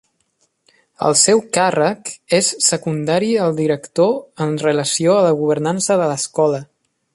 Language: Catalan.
El seu càrrec és secundari al director en relació a la governança de l'escola.